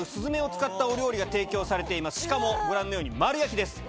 しかもご覧のように丸焼きです。